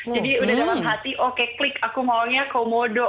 jadi udah dapat hati oke klik aku maunya komodo